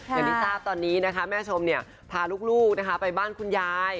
อย่างที่ทราบตอนนี้นะคะแม่ชมพาลูกนะคะไปบ้านคุณยาย